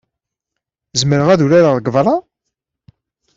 Zemreɣ ad urareɣ deg beṛṛa?